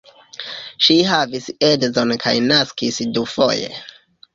Ŝi havis edzon kaj naskis dufoje.